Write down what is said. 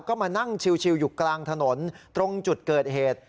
ก็มานั่งชิวอยู่กลางถนนตรงจุดเกิดเหตุ